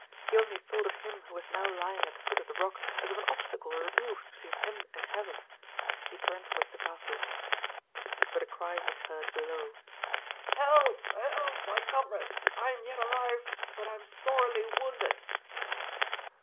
He only thought of him who was now lying at the foot of the rock as of an obstacle removed between him and heaven: he turned towards the castle. But a cry was heard below: "Help! help! my comrade! I am yet alive, but I am sorely wounded."